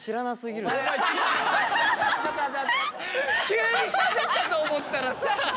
急にしゃべったと思ったらさ。